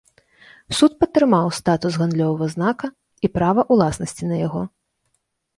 Суд падтрымаў статус гандлёвага знака і права ўласнасці на яго.